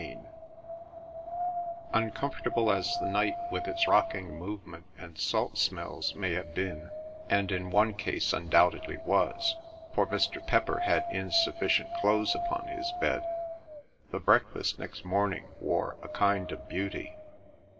CHAPTER II Uncomfortable as the night, with its rocking movement, and salt smells, may have been, and in one case undoubtedly was, for Mr. Pepper had insufficient clothes upon his bed, the breakfast next morning wore a kind of beauty.